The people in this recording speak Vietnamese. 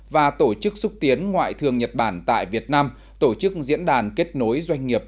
và tổ chức xúc tiến ngoại thường nhật bản tại việt nam tổ chức diễn đàn kết nối doanh nghiệp